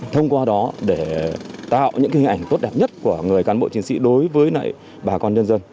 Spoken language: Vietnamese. thông qua đó để tạo những hình ảnh tốt đẹp nhất của người cán bộ chiến sĩ đối với bà con nhân dân